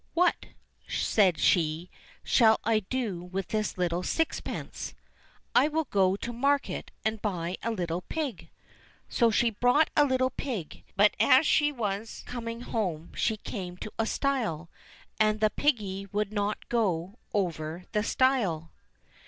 "What," said she, "shall I do with this little sixpence ? I will go to market, and buy a little pig." So she bought a little pig ; but as she was coming home, she came to a stile, and the piggy would not go over the stile.